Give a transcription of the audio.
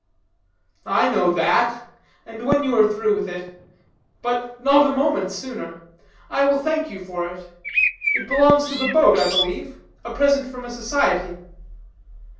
"I know that; and when you are through with it but not a moment sooner I will thank you for it. It belongs to the boat, I believe a present from a society."